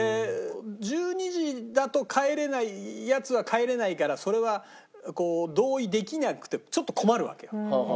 で１２時だと帰れないヤツは帰れないからそれは同意できなくてちょっと困るわけよ。